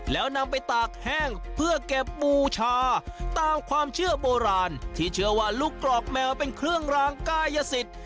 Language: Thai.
แล้วนำไปตากแห้งเพื่อเก็บบูชาตามความเชื่อโบราณที่เชื่อว่าลูกกรอกแมวเป็นเครื่องรางกายสิทธิ์